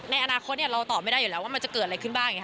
ในอนาคตเราตอบไม่ได้อยู่แล้วว่ามันจะเกิดอะไรขึ้นบ้าง